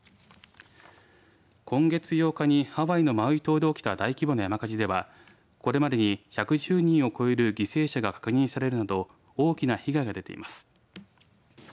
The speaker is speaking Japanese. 今月８日にハワイのマウイ島で起きた大規模な山火事ではこれまでに１１０人を超える犠牲者が確認されるなど大きな被害が出ています。